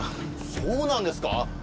そうなんですか？